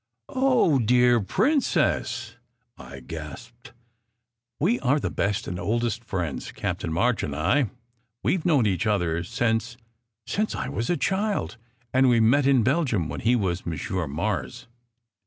"Oh, dear Princess!" I gasped. "We are the best and oldest friends, Captain March and I. We ve known each other since since I was a child; and we met in Belgium when he was Monsieur Mars.